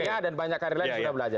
saya dan banyak karir lain sudah belajar